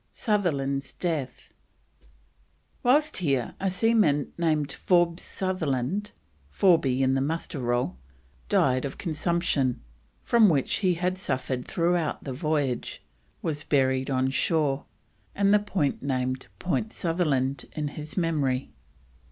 SUTHERLAND'S DEATH. Whilst here, a seaman named Forbes (Forby, in the Muster Roll) Sutherland, died of consumption, from which he had suffered throughout the voyage, was buried on shore, and the point named Point Sutherland in his memory.